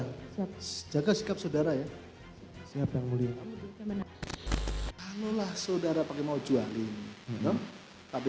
hai sejaga sikap saudara ya siap yang mulia menangkan lah saudara pakai mau jual ini tapi